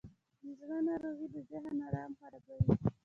د زړه ناروغۍ د ذهن آرام خرابوي.